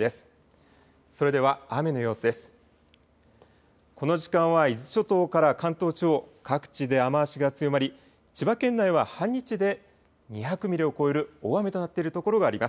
この時間は伊豆諸島から関東地方各地で雨足が強まり千葉県内は半日で２００ミリを超える大雨となっているところがあります。